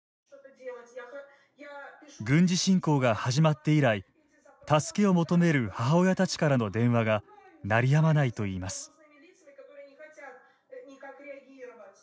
軍事侵攻が始まって以来助けを求める母親たちからの電話が鳴りやまないと言います。